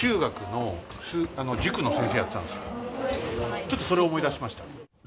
ちょっとそれを思い出しました。